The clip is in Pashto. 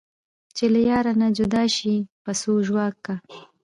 چې له یاره نه جدا شي پسو ژواک کا